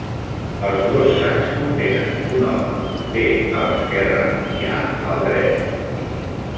Els dos sacs contenen un home; B a l'esquerre i A al dret.